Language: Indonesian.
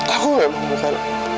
aku memang bukan